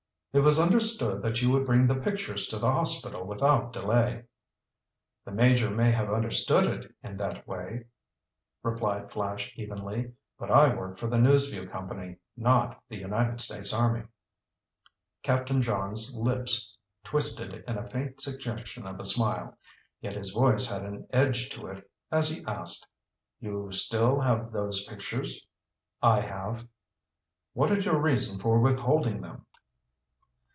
"It was understood that you would bring the pictures to the hospital without delay." "The Major may have understood it that way," replied Flash evenly. "But I work for the News Vue Company, not the United States Army." Captain Johns' lips twisted in a faint suggestion of a smile. Yet his voice had an edge to it as he asked: "You still have those pictures?" "I have." "What is your reason for withholding them?"